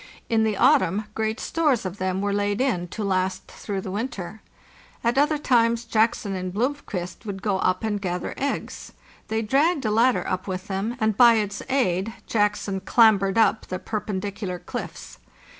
In the autumn great stores of them were laid in to last through the winter. At other times Jackson and Blom KITTIWAKE ON HER NEST qvist would go up and gather eggs. They dragged a ladder up with them, and by its aid Jackson clambered up the perpendicular cliffs.